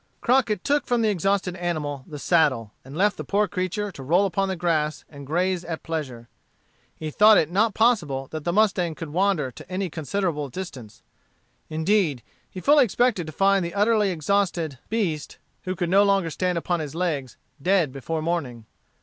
Crockett took from the exhausted animal the saddle, and left the poor creature to roll upon the grass and graze at pleasure. He thought it not possible that the mustang could wander to any considerable distance. Indeed, he fully expected to find the utterly exhausted beast, who could no longer stand upon his legs, dead before morning.